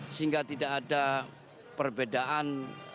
sehingga tidak ada perbedaan